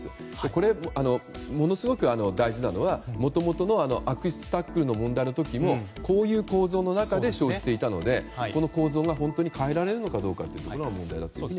これ、ものすごく大事なのはもともとの悪質タックルの問題の時もこういう構造の中で生じていたのでこの構造が本当に変えられるかが問題だと思います。